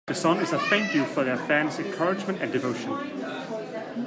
The song is a "thank you" for their fans' encouragement and devotion.